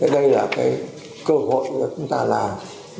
đây là cơ hội chúng ta làm